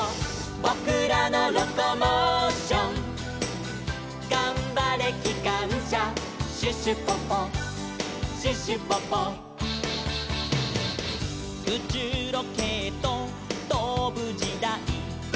「ぼくらのロコモーション」「がんばれきかんしゃ」「シュシュポポシュシュポポ」「うちゅうロケットとぶじだい」